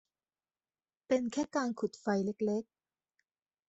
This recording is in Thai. เป็นแค่การขุดไฟเล็ก ๆ